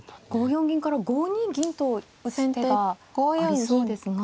四銀から５二銀と打つ手がありそうですが。